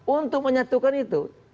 untuk menyatukan itu lima